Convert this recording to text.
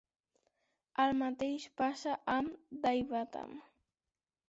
El mateix passa amb Daivatham.